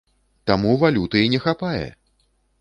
Таму валюты і не хапае!